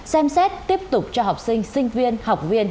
xem xét tiếp tục cho học sinh sinh viên học viên